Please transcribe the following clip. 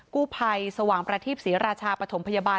กู้ไพรสว่างประทิบศรีราชาประถมพยาบาล